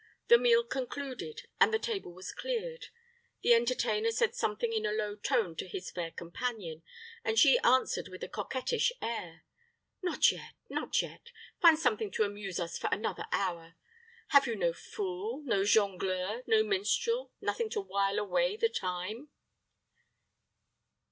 The meal concluded, and the table was cleared. The entertainer said something in a low tone to his fair companion, and she answered with a coquettish air, "Not yet not yet. Find something to amuse us for another hour. Have you no fool no jongleur no minstrel nothing to wile away the time?"